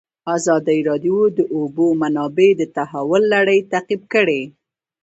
ازادي راډیو د د اوبو منابع د تحول لړۍ تعقیب کړې.